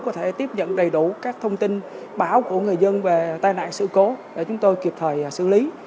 có thể tiếp nhận đầy đủ các thông tin báo của người dân về tai nạn sự cố để chúng tôi kịp thời xử lý